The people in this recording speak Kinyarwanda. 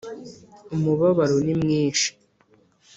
umubabaro nimwishi.